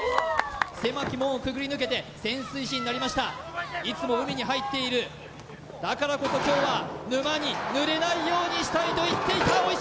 狭き門をくぐり抜けて潜水士になりましたいつも海に入っているだからこそ今日は沼にぬれないようにしたいと言っていた大石！